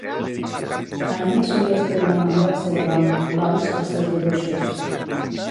Haynie solia escriure el nom de la seva dona, Lois, als seus dibuixos.